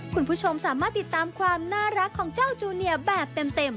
คุณผู้ชมสามารถติดตามความน่ารักของเจ้าจูเนียแบบเต็ม